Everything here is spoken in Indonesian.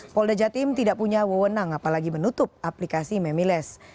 polda jatim tidak punya wewenang apalagi menutup aplikasi memiles